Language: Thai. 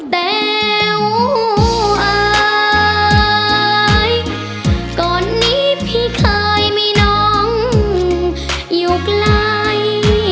แต๋วอายก่อนนี้พี่เคยมีน้องอยู่ไกล